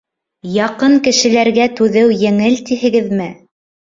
Яҡын кешеләргә түҙеү еңел тиһегеҙме?